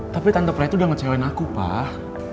tapi tante plety udah ngecewain aku pak